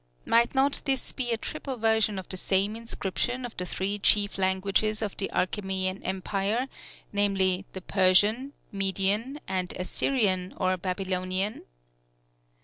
Might not this be a triple version of the same inscription in the three chief languages of the Achæmenian Empire, namely, the Persian, Median, and Assyrian or Babylonian.